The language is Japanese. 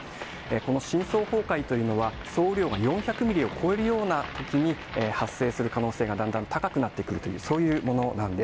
この深層崩壊というのは、総雨量が４００ミリを超えるようなときに発生する可能性がだんだん高くなってくるという、そういうものなんです。